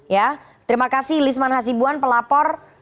ya terima kasih lisman hasibuan pelapor